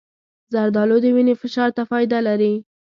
زردالو د وینې فشار ته فایده لري.